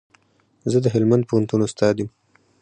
زه د هلمند پوهنتون استاد يم